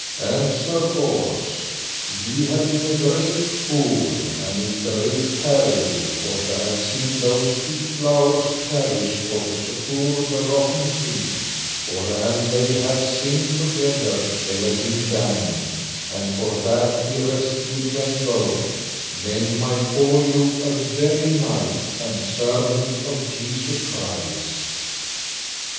And Sir Bors, ye had been a great fool and in great peril for to have seen those two flowers perish for to succour the rotten tree, for an they had sinned together they had been damned; and for that ye rescued them both, men might call you a very knight and servant of Jesu Christ.